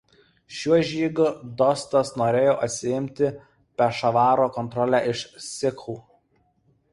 Šiuo žygiu Dostas norėjo atsiimti Pešavaro kontrolę iš sikhų.